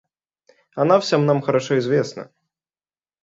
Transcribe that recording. Она всем нам хорошо известна.